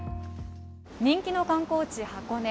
人気の観光地、箱根